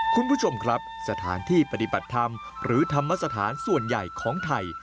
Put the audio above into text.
คุณผู้ชมครับสถานที่ปฏิบัติธรรมหรือธรรมสถานส่วนใหญ่ของไทย